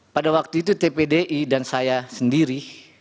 pada waktu itu tpdi dan saya sendiri